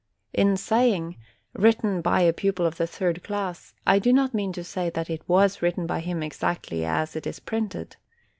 In saying, written by a pupil of the third class, I do not mean to say that it was written by him exactly as it is printed.